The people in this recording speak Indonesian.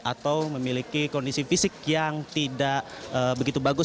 atau memiliki kondisi fisik yang tidak begitu bagus